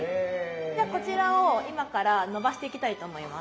じゃこちらを今から伸ばしていきたいと思います。